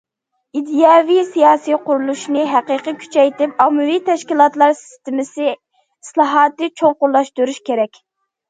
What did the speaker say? ئىدىيەۋى- سىياسىي قۇرۇلۇشنى ھەقىقىي كۈچەيتىپ، ئاممىۋى تەشكىلاتلار سىستېمىسى ئىسلاھاتىنى چوڭقۇرلاشتۇرۇش كېرەك.